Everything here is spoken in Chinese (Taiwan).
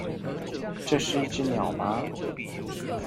這是一隻鳥嗎？